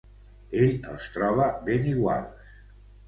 Ell els troba ben iguals.